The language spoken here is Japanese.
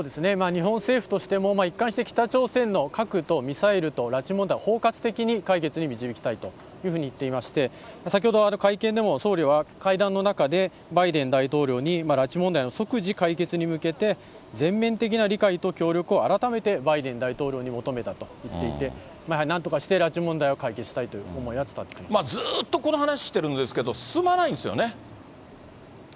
日本政府としても、一貫して北朝鮮の核とミサイルと拉致問題、包括的に解決に導きたいというふうに言っていまして、先ほど、会見でも総理は会談の中で、バイデン大統領に拉致問題の即時解決に向けて、全面的な理解と協力を改めてバイデン大統領に求めたと言っていて、やはりなんとかして拉致問題を解決したいという思いは伝えたと思ずっとこの話してるんですけれども、進まないんですよね。